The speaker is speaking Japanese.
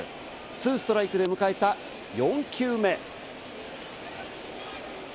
２ストライクで迎えた４球目。